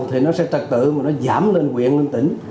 thì nó sẽ tật tự mà nó giảm lên quyện lên tỉnh